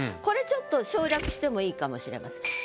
これちょっと省略してもいいかもしれません。